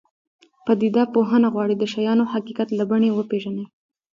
پدیده پوهنه غواړي د شیانو حقیقت له بڼې وپېژني.